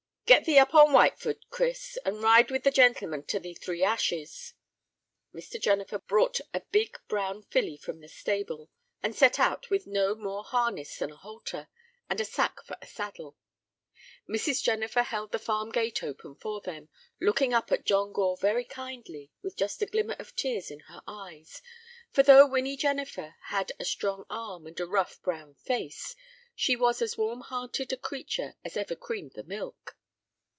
"Get thee up on Whitefoot, Chris, and ride with the gentlemen to the Three Ashes." Mr. Jennifer brought a big brown filly from the stable, and set out with no more harness than a halter, and a sack for a saddle. Mrs. Jennifer held the farm gate open for them, looking up at John Gore very kindly with just a glimmer of tears in her eyes, for though Winnie Jennifer had a strong arm and a rough, brown face, she was as warm hearted a creature as ever creamed the milk.